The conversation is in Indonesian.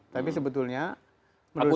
tapi sebetulnya menurut saya